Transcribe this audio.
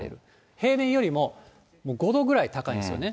平年よりももう５度くらい高いんですよね。